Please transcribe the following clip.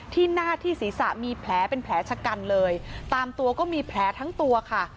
ที่หน้าที่ศีรษะมีแผลเป็นแผลชะกันเลยตามตัวก็มีแผลทั้งตัวค่ะ